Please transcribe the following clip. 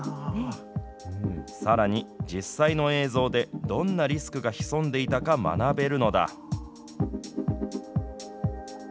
さらに実際の映像で、どんなリスクが潜んでいたか学べるのだ。